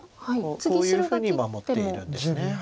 こういうふうに守っているんです。